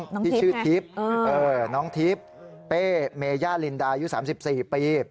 น้องทิพย์ไงที่ชื่อทิพย์เออน้องทิพย์แป้เมยาลินดายุ๓๔ปี